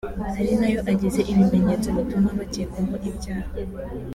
ari nayo agize ibimenyetso bituma bakekwaho ibyaha